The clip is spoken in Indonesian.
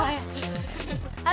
orang gua tau apa ah